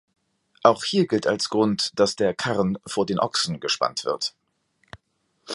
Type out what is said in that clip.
Auch hier gilt als Grund, dass der Karren vor den Ochsen gespannt wird.